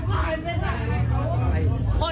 ลฉันดูก่อน